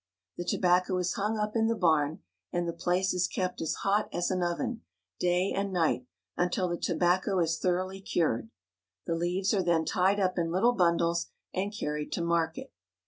The tobacco is hung up in the barn, and the place is kept as hot as an oven, day and night, until the tobacco is thoroughly cured. The leaves are then tied up in little bundles and carried to market.